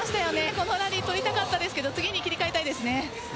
このラリー取りたかったですけど次に切り替えたいですね。